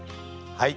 はい。